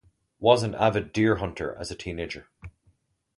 Was an avid deer hunter as a teenager.